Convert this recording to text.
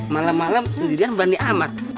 malem malem sendirian banding amat